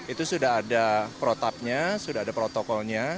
itu sudah ada protapnya sudah ada protokolnya